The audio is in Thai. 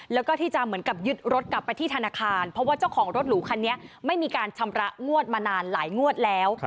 แล้วก็ที่จะเหมือนกับยึดรถกลับไปที่ธนาคารเพราะว่าเจ้าของรถหรูคันนี้ไม่มีการชำระงวดมานานหลายงวดแล้ว